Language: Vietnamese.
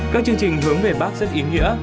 các chương trình hướng về bắc rất ý nghĩa